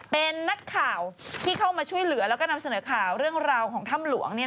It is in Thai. เป็นนักข่าวที่เข้ามาช่วยเหลือแล้วก็นำเสนอข่าวเรื่องราวของถ้ำหลวง